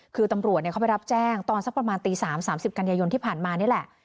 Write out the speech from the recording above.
คือตำรวจเขาไปรับแจ้งตอนสักประมาณตี๓๓๐กันยายนที่ผ่านมานี่แหละ